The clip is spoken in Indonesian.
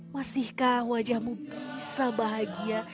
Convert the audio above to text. masihkah wajahmu bisa bahagia